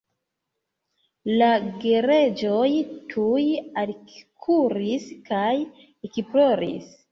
La gereĝoj tuj alkuris kaj ekploris.